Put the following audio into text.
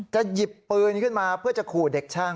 หยิบปืนขึ้นมาเพื่อจะขู่เด็กช่าง